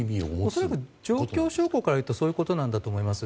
恐らく状況証拠からいうとそういうことなんだと思います。